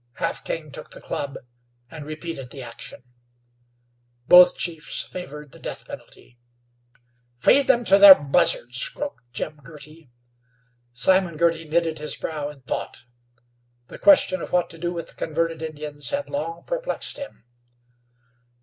Half King took the club and repeated the action. Both chiefs favored the death penalty. "Feed 'em to ther buzzards," croaked Jim Girty. Simon Girty knitted his brow in thought. The question of what to do with the converted Indians had long perplexed him.